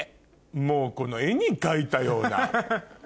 もうこの絵に描いたような。